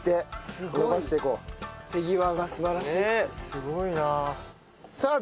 すごいなあ。